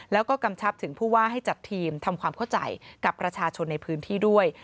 แล้วก็กำชับถึงผู้ว่าให้จัดทีมทำความเข้าใจกับประชาชนในพื้นที่ด้วย